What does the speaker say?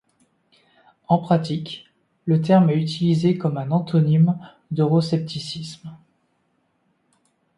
En pratique, le terme est utilisé comme un antonyme d'euroscepticisme.